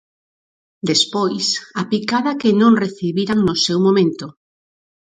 Despois, a picada que non recibiran no seu momento.